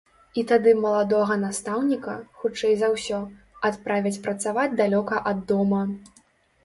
І тады маладога настаўніка, хутчэй за ўсё, адправяць працаваць далёка ад дома.